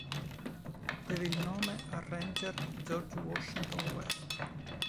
Deve il nome al rancher George Washington West.